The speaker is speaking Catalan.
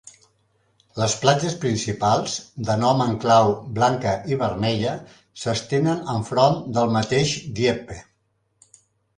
Les platges principals, de nom en clau Blanca i Vermella, s'estenen en front del mateix Dieppe.